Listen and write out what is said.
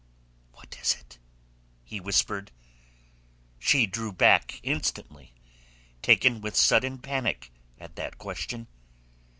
"What is it?" he whispered. She drew back instantly, taken with sudden panic at that question.